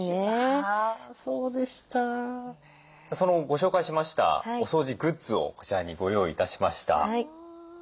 ご紹介しましたお掃除グッズをこちらにご用意致しました。